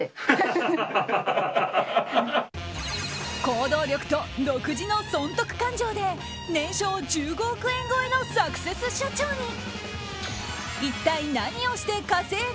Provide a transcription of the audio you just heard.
行動力と独自の損得勘定で年商１５億円超えのサクセス社長に。